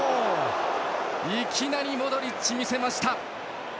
いきなりモドリッチ見せました。